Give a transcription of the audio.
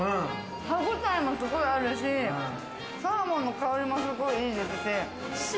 歯ごたえもすごいあるし、サーモンの香りもすごい良いですし。